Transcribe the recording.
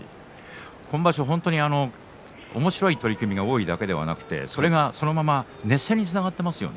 今場所は、おもしろい取組が多いだけではなくてそれがそのまま熱戦につながっていますね。